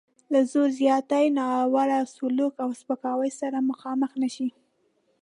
له زور زیاتي، ناوړه سلوک او سپکاوي سره مخامخ نه شي.